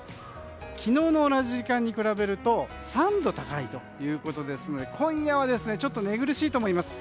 昨日の同じ時間に比べると３度高いということですので今夜は寝苦しいと思います。